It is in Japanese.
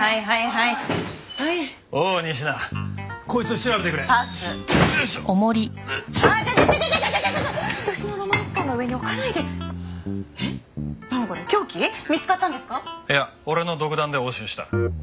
いや俺の独断で押収した。